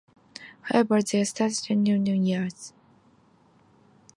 However their status changed over several years.